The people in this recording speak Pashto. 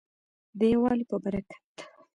د یووالي په برکت.